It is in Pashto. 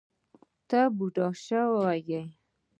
ته بوډه شوې